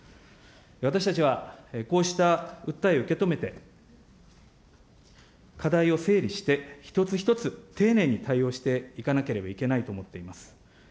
私たちはこうした訴えを受け止めて、課題を整理して一つ一つ丁寧に対応していかなければいけないと思っています。